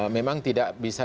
memang tidak bisa